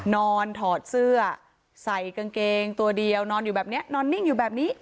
ถอดเสื้อใส่กางเกงตัวเดียวนอนอยู่แบบนี้นอนนิ่งอยู่แบบนี้